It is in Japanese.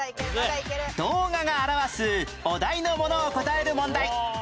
動画が表すお題のものを答える問題